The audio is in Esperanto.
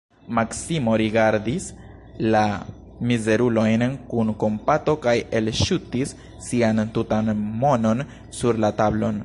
Maksimo rigardis la mizerulojn kun kompato kaj elŝutis sian tutan monon sur la tablon.